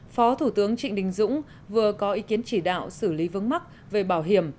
phó thủ tướng trịnh đình dũng vừa có ý kiến chỉ đạo xử lý vướng mắc về bảo hiểm